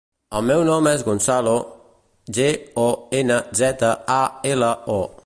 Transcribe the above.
El meu nom és Gonzalo: ge, o, ena, zeta, a, ela, o.